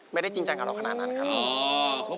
จริงจังกับเราขนาดนั้นครับ